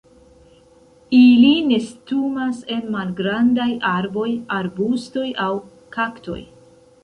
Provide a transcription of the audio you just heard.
Ili nestumas en malgrandaj arboj, arbustoj aŭ kaktoj.